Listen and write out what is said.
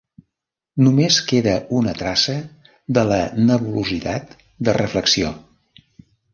Només queda una traça de la nebulositat de reflexió.